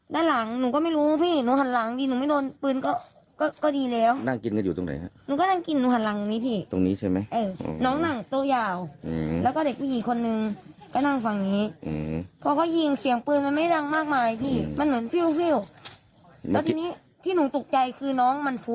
ด้านหลังหนูก็ไม่รู้อ่ะพี่หนูหันหลังดิหนูไม่โดนปืนก็ก็